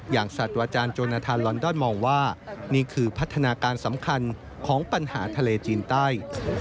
ศาสตราจารย์จนทานลอนดอนมองว่านี่คือพัฒนาการสำคัญของปัญหาทะเลจีนใต้